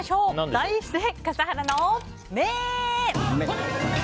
題して、笠原の眼！